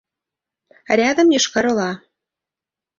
Рядом Йошкар Ола.